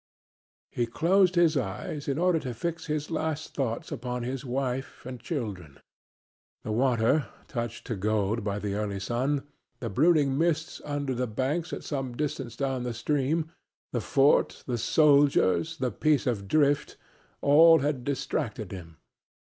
He closed his eyes in order to fix his last thoughts upon his wife and children. The water, touched to gold by the early sun, the brooding mists under the banks at some distance down the stream, the fort, the soldiers, the piece of drift all had distracted him.